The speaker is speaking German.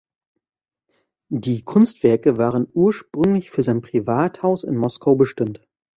Die Kunstwerke waren ursprünglich für sein Privathaus in Moskau bestimmt.